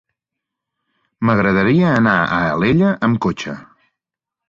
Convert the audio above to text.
M'agradaria anar a Alella amb cotxe.